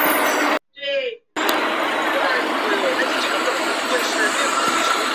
马甲经常和燕尾服等正装一并穿着。